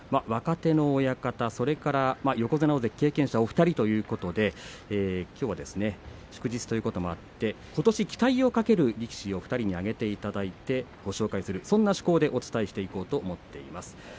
若手の親方、それから横綱大関経験者のお二人ということできょうは祝日ということもあってことし期待をかける力士を２人に挙げていただいてご紹介するそんな趣向でお伝えしていこうと思っています。